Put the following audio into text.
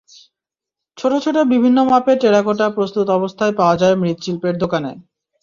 ছোট ছোট বিভিন্ন মাপের টেরাকোটা প্রস্তুত অবস্থায় পাওয়া যায় মৃিশল্পের দোকানে।